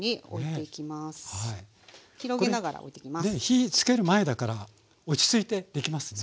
火つける前だから落ち着いてできますね。